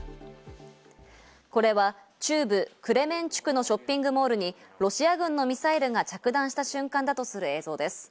これは中部クレメンチュクのショッピングモールにロシア軍のミサイルが着弾した瞬間だとする映像です。